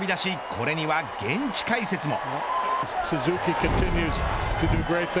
これには現地解説も。